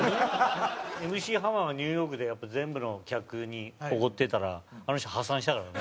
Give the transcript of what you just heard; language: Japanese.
Ｍ．Ｃ．ハマーもニューヨークでやっぱ全部の客におごってたらあの人破産したからね。